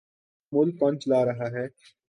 ملک کون چلا رہا ہے؟